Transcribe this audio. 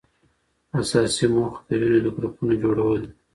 اساسي موخه د وینې د ګروپونو جوړول دي.